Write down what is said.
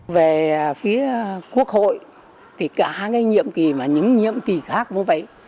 về phía quốc hội thì cả những nhiệm kỳ khác cũng vậy